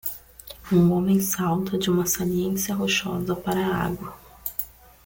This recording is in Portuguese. Um homem salta de uma saliência rochosa para a água.